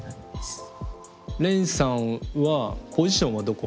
ｒｅｎさんはポジションはどこ？